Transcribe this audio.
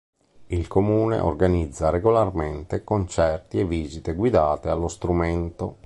Il comune organizza regolarmente concerti e visite guidate allo strumento.